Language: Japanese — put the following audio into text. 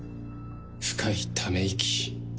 深いため息。